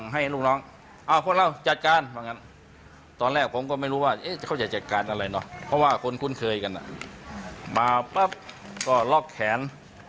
หลังจากเกิดเหตุการณ์